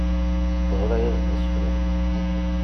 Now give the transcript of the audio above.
Teɣra-yas-d asefru.